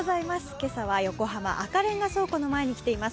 今朝は横浜赤レンガ倉庫の前に来ています。